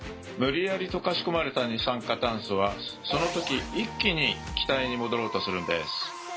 無理やり溶かし込まれた二酸化炭素はその時一気に気体に戻ろうとするんです。